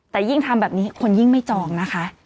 แต่ยิ่งทำแบบนี้คนยิ่งไม่จองนะคะ